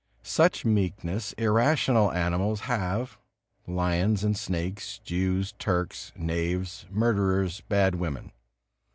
Such meekness irrational animals have, lions and snakes, Jews, Turks, knaves, murderers, bad women.